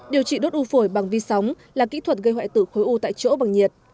điều trị đốt u phổi bằng vi sóng là kỹ thuật gây hoại tử khối u tại chỗ bằng nhiệt